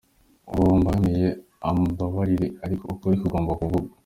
Uwo mbangamiye ambabarire, ariko ukuri kugomba kuvugwa.